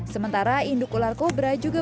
sementara induk ular kobra juga